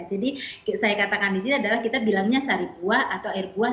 jadi saya katakan di sini adalah kita bilangnya sari buah atau air buah